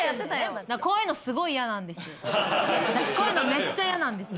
こういうのすごい嫌なんです。